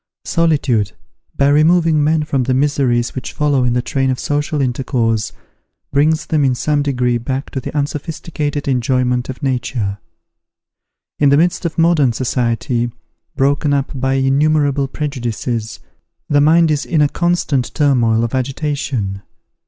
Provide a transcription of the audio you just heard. Solitude, by removing men from the miseries which follow in the train of social intercourse, brings them in some degree back to the unsophisticated enjoyment of nature. In the midst of modern society, broken up by innumerable prejudices, the mind is in a constant turmoil of agitation.